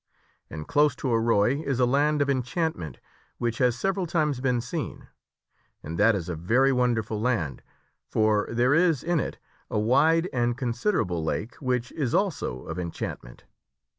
And close to Arroy is a land of enchantment which has several times been seen. And that is a very, wonderful land, for there is in it a wide and consid erable lake, which is also of enchantment.